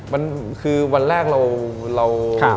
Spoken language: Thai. มันคือวันแรกเรา